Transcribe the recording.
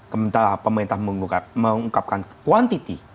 sementara pemerintah mengungkapkan kuantiti